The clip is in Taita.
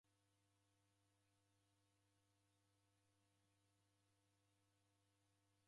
Orelwa w'uda ghoombochua ndoe raw'o.